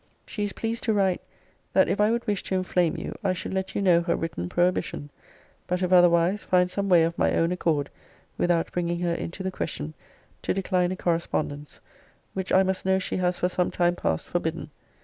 She is pleased to write, 'That if I would wish to inflame you, I should let you know her written prohibition: but if otherwise, find some way of my own accord (without bringing her into the question) to decline a correspondence, which I must know she has for some time past forbidden.'